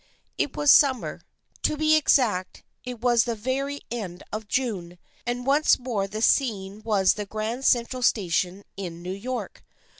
It was summer. To be exact, it was the very end of June, and once more the scene was the Grand Central Station in New York.